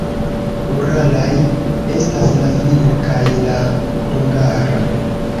Uralaj estas la finna kaj la hungara.